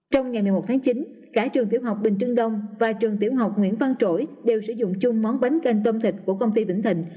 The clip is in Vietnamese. trong ngày một mươi một tháng chín cả trường tiểu học bình trưng đông và trường tiểu học nguyễn văn trỗi đều sử dụng chung món bánh canh tôm thịt của công ty bình thịnh